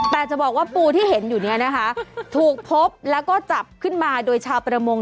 แต่จะบอกว่าปูที่เห็นอยู่เนี่ยนะคะถูกพบแล้วก็จับขึ้นมาโดยชาวประมง